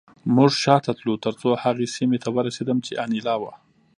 موږ شاته تلو ترڅو هغې سیمې ته ورسېدم چې انیلا وه